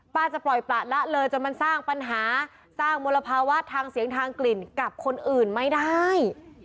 จะปล่อยประละเลยจนมันสร้างปัญหาสร้างมลภาวะทางเสียงทางกลิ่นกับคนอื่นไม่ได้